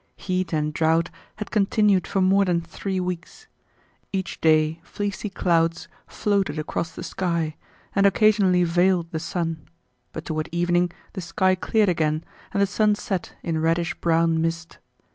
Heat and drought had continued for more than three weeks. Each day fleecy clouds floated across the sky and occasionally veiled the sun, but toward evening the sky cleared again and the sun set in reddish brown mist.